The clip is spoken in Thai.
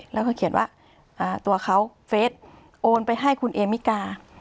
แล้วก็เขียนว่าตัวเขาเฟสโอนไปให้คุณเอมิกา